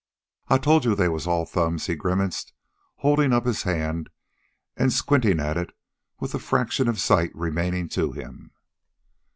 "I told you they was all thumbs," he grimaced, holding up his hand and squinting at it with the fraction of sight remaining to him.